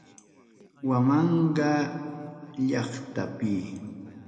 Huamanga llaqtapi.